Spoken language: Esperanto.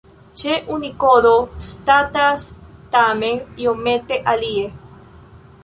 Ĉe Unikodo statas tamen iomete alie.